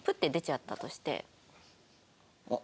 あっ。